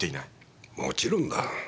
もちろんだ。